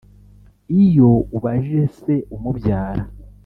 Iyo ubajije se umubyara